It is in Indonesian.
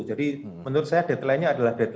jadi menurut saya deadline nya adalah